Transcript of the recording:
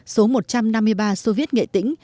số một trăm năm mươi ba sô viết nghệ tĩnh